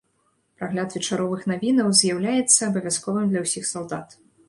Прагляд вечаровых навінаў з'яўляецца абавязковым для ўсіх салдат.